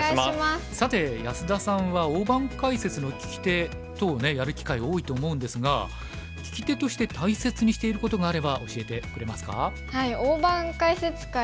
さて安田さんは大盤解説の聞き手等をねやる機会多いと思うんですが聞き手として大切にしていることがあれば教えてくれますか？